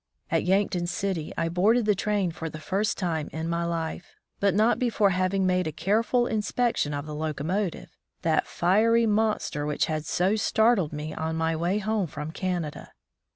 At Yankton City I boarded the train for the first time in my life, but not before having made a careful inspection of the locomotive — that fiery monster which had so startled me on my way home from Canada.